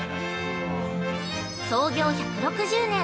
◆創業１６０年。